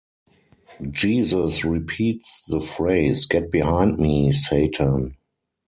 Jesus repeats the phrase Get behind me, Satan!